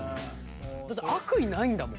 だって悪意ないんだもん。